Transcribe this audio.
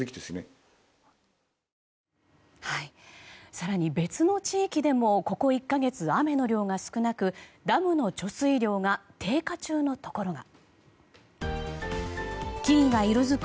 更に別の地域でもここ１か月雨の量が少なくダムの貯水量が低下中のところが。